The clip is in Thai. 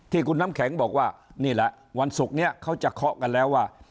ที่คุณน้ำแข็งบอกว่านี่แหละวันศุกร์นี้เขาจะเคาะกันแล้วว่า